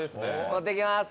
持っていきます。